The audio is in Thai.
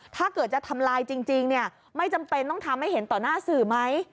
ถ้าเกิดจะทำลายจริงเนี่ยไม่จำเป็นต้องทำให้เห็นต่อหน้าสื่อไหม